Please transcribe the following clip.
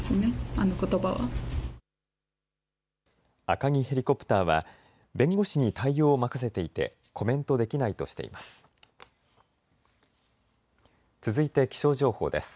アカギヘリコプターは弁護士に対応を任せていてコメントできないとしています。